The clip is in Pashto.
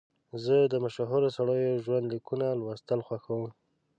زه د مشهورو سړیو ژوند لیکونه لوستل خوښوم.